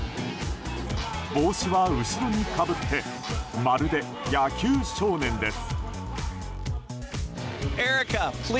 帽子は後ろにかぶってまるで野球少年です。